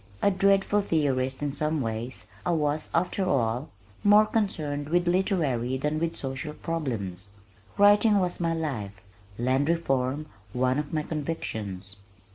A dreadful theorist in some ways, I was, after all, more concerned with literary than with social problems. Writing was my life, land reform one of my convictions.